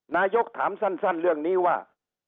นายกถามสั้นเรื่องนี้ว่า